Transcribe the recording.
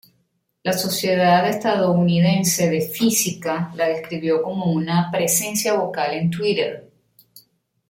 La Sociedad Estadounidense de Física la describió como una "presencia vocal en Twitter".